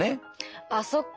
あっそっか。